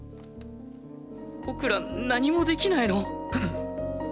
僕ら何もできないの？